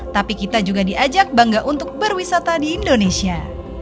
tapi kita juga diajak bangga untuk berwisata di indonesia